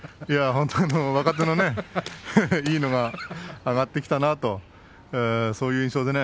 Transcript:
本当に若手のいいのが上がってきたなとそういう印象でね。